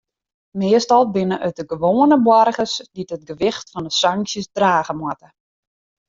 Meastal binne it de gewoane boargers dy't it gewicht fan de sanksjes drage moatte.